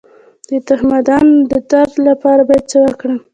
د تخمدان د درد لپاره باید څه وکړم؟